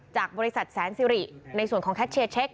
จากบริษัทแสนซิริในส่วนคอมแท็กเช็ค